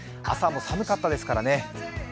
朝も寒かったですからね。